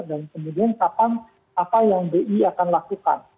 dan kemudian kapan apa yang bi akan lakukan